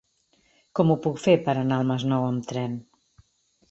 Com ho puc fer per anar al Masnou amb tren?